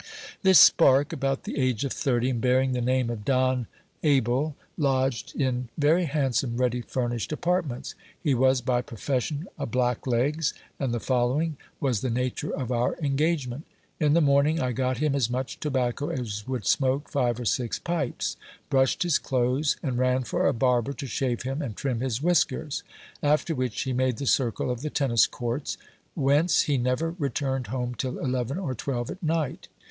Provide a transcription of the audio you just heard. This spark, about the age of thirty, and bearing the name of Don Abel, lodged in very handsome ready furnished apartments. He was by profession a blacklegs ; and the following was the nature of our engagement. In the morn i lg I got him as much tobacco as would smoke five or six pipes ; brushed his clothes, and ran for a barber to shave him and trim his whiskers ; after which re made the circle of the tennis courts, whence he never returned home till eleven or twelve at night.